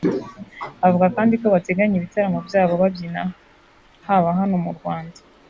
Avuga kandi ko bateganya ibitaramo byabo babyina haba hano mu Rwanda